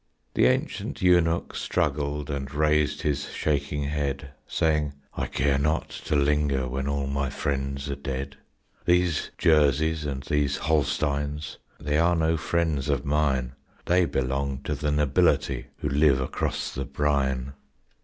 The ancient eunuch struggled And raised his shaking head, Saying, "I care not to linger When all my friends are dead. These Jerseys and these Holsteins, They are no friends of mine; They belong to the nobility Who live across the brine.